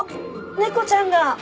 猫ちゃんだ。